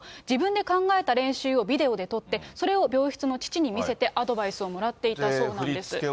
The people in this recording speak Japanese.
自分で考えた練習をビデオで撮って、それを病室の父に見せて、アドバイスをもらっていたそうなんです。